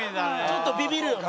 ちょっとビビるよな。